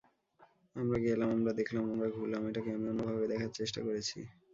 আমরা গেলাম, আমরা দেখলাম, আমরা ঘুরলাম—এটাকে আমি অন্যভাবে দেখার চেষ্টা করেছি।